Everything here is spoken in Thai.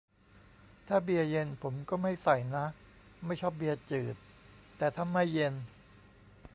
ถ้าเบียร์เย็นผมก็ไม่ใส่นะ ไม่ชอบเบียร์จืด แต่ถ้าไม่เย็น